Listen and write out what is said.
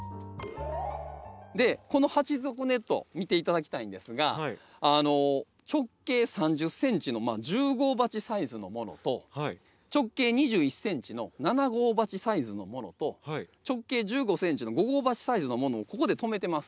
でこの鉢底ネット見て頂きたいんですが直径３０ｃｍの１０号鉢サイズのものと直径２１ｃｍの７号鉢サイズのものと直径１５ｃｍの５号鉢サイズのものをここで留めてます。